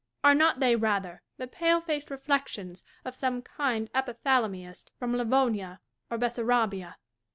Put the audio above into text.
Are not they, rather, the pale faced reflections of some kind epithalamiast from Livonia or Bessarabia?